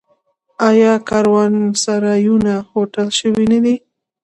آیا کاروانسرایونه هوټل شوي نه دي؟